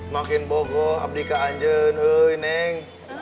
makin bogoh abdika anjan